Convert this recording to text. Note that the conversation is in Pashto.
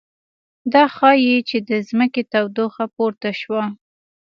دا ښيي چې د ځمکې تودوخه پورته شوه